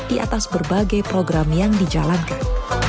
di atas berbagai program yang dijalankan